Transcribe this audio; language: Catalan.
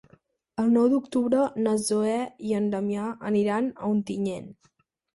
El nou d'octubre na Zoè i en Damià aniran a Ontinyent.